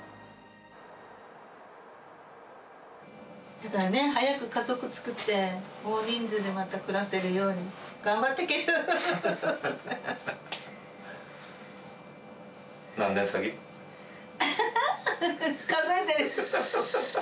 だからね、早く家族作って、大人数でまた暮らせるように、頑張って、佳ちゃん。何年先？考えてる。